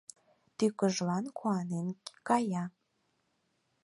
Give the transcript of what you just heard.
Тӱкыжлан куанен кая.